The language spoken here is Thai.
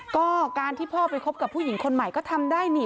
ก็การที่พ่อไปคบกับผู้หญิงคนใหม่ก็ทำได้นี่